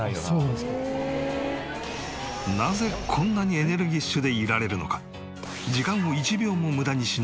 なぜこんなにエネルギッシュでいられるのか？